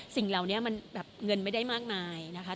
สิ่งเหล่านี้มันแบบเงินไม่ได้มากมายนะคะ